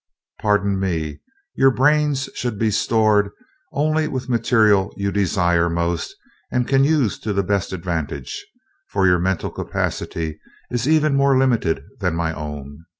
"Pardon me. Your brains should be stored only with the material you desire most and can use to the best advantage, for your mental capacity is even more limited than my own.